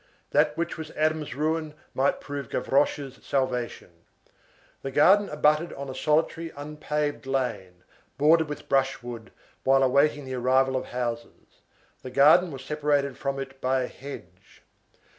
That which was Adam's ruin might prove Gavroche's salvation. The garden abutted on a solitary, unpaved lane, bordered with brushwood while awaiting the arrival of houses; the garden was separated from it by a hedge.